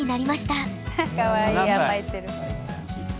かわいい甘えてる。